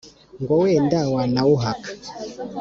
Ngo wenda wanawuhaka